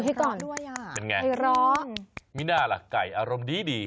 โอ้โหให้ก่อนให้ร้องมิน่าล่ะไก่อารมณ์ดี